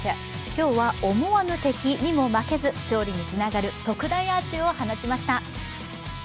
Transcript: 今日は、思わぬ敵にも負けず勝利につながる特大アーチを放ちました。